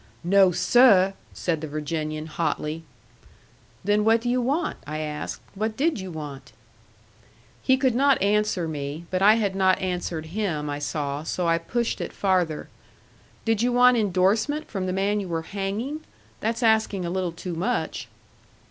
"No, sir!" said the Virginian, hotly. "Then what do you want?" I asked. "What did you want?" He could not answer me but I had not answered him, I saw; so I pushed it farther. "Did you want indorsement from the man you were hanging? That's asking a little too much."